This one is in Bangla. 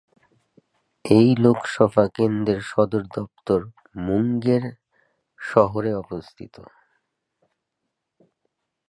এই লোকসভা কেন্দ্রের সদর দফতর মুঙ্গের শহরে অবস্থিত।